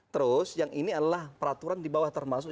terus yang ini adalah peraturan di bawah termasuk